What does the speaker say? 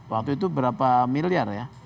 waktu itu berapa miliar ya